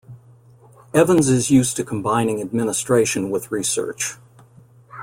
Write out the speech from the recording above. Evans is used to combining administration with research.